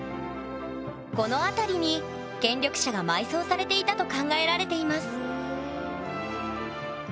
この辺りに権力者が埋葬されていたと考えられています